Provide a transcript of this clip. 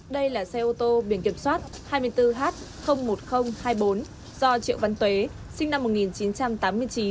đây là xe ô tô biển kiểm soát hai mươi bốn h một nghìn hai mươi bốn do triệu văn tế sinh năm một nghìn chín trăm tám mươi chín